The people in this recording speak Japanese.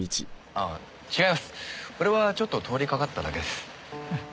俺はちょっと通りかかっただけです。